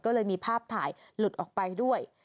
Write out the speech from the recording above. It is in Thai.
ก็เลยมีภาพถ่ายหลุดออกไปด้วย